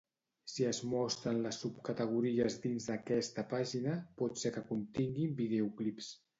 Si es mostren les subcategories dins d'aquesta pàgina, pot ser que continguin videoclips.